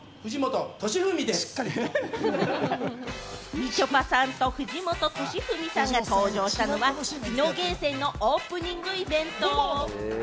みちょぱさんと藤本敏史さんが登場したのは、ピノゲーセンのオープニングイベント。